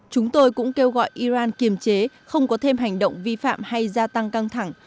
chúng tôi cũng kêu gọi iran kiềm chế không có thêm hành động vi phạm hay gia tăng căng thẳng